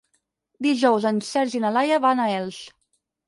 Dijous en Sergi i na Laia van a Elx.